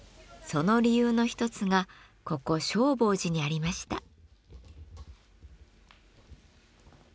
その理由の一つがここ正法寺にありました。